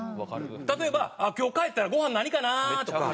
例えば「今日帰ったらごはん何かな？」とか。